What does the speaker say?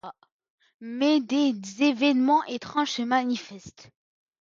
Mais des événements étranges se manifestent…